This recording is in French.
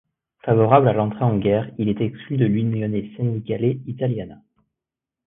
Favorable à l'entrée en guerre, il est exclu de l'Unione Sindacale Italiana.